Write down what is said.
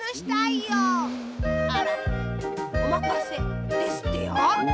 あら「おまかせ」ですってよ。